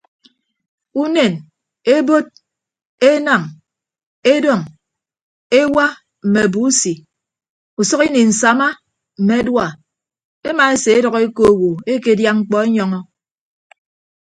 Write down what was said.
Unen ebod enañ edọñ ewa mme abusi usʌk ini nsama mme adua emaeseedʌk eko owo ekedia mkpọ enyọñọ.